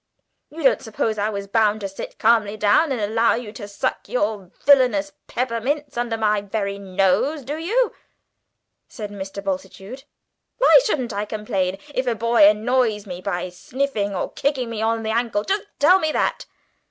"You don't suppose I was bound to sit calmly down and allow you to suck your villainous peppermints under my very nose, do you?" said Mr. Bultitude. "Why shouldn't I complain if a boy annoys me by sniffing, or kicks me on the ankle? Just tell me that?